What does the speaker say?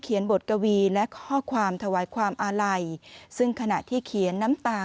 บทกวีและข้อความถวายความอาลัยซึ่งขณะที่เขียนน้ำตา